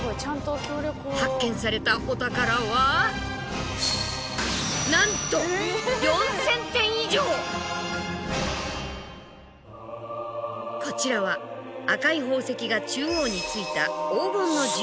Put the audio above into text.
発見されたお宝はなんとこちらは赤い宝石が中央についた黄金の十字架。